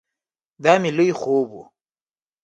دا مې لوی خوب ؤ